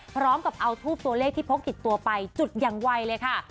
พร้อมกับเอาทูบตัวเลขที่พกติดตัวไปจุดอย่างไวเลยค่ะ